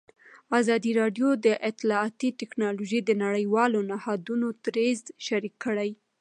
ازادي راډیو د اطلاعاتی تکنالوژي د نړیوالو نهادونو دریځ شریک کړی.